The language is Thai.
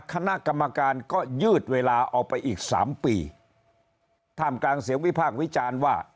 คณะกรรมการก็ยืดเวลาออกไปอีกสามปีท่ามกลางเสียงวิพากษ์วิจารณ์ว่า